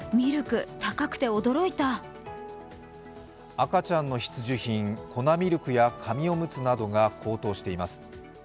赤ちゃんの必需品、粉ミルクや紙おむつなどが高騰しています。